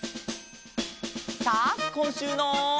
さあこんしゅうの。